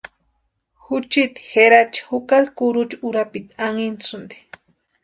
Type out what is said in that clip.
Juchiti Jerachi jukari kurucha urapiti anhinchasïnti.